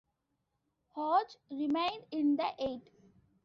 Hodge remained in the Eight.